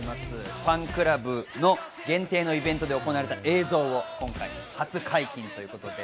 ファンクラブの限定のイベントで行われた映像を今回、初解禁です。